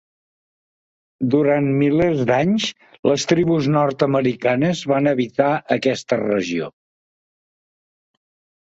Durant milers d'anys, les tribus nord-americanes van habitar aquesta regió.